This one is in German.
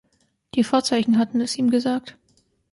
Die Vorzeichen hatten es ihm gesagt.